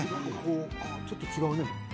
ちょっと違うね。